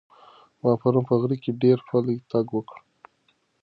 ما پرون په غره کې ډېر پلی تګ وکړ.